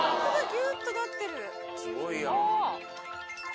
ギュっとなってる。